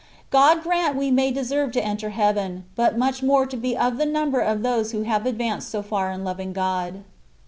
God grant we may deserve to enter heaven^ but much more to be of the number of those who have advanced so far in loving Grod.